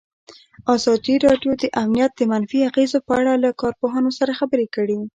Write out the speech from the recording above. ازادي راډیو د امنیت د منفي اغېزو په اړه له کارپوهانو سره خبرې کړي.